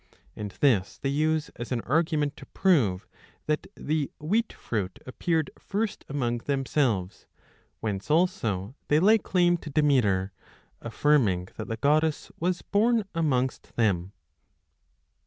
And this they use as an argument to 2 5 prove that the wheat fruit appeared first among them selves; whence also they lay claim to Demeter, affirming that the goddess was born amongst them.